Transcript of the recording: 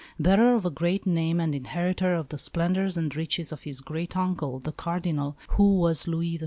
Bearer of a great name, and inheritor of the splendours and riches of his great uncle, the Cardinal, who was Louis XII.'